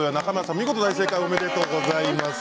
見事大正解おめでとうございます。